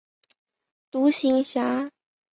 独行侠。